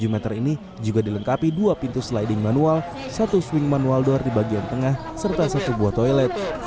tujuh meter ini juga dilengkapi dua pintu sliding manual satu swing manual door di bagian tengah serta satu buah toilet